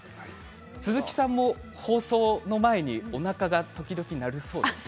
鈴木さんも放送の前におなかが時々鳴るそうですね。